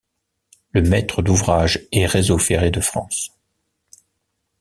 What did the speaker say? Le maître d'ouvrage est Réseau ferré de France.